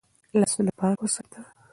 لاسونه پاک وساته.